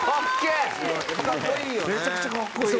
めちゃくちゃかっこいい！